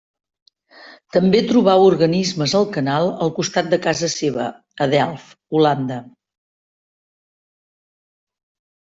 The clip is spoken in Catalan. També trobà organismes al canal al costat de casa seva a Delft, Holanda.